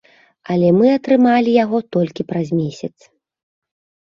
Але мы атрымалі яго толькі праз месяц.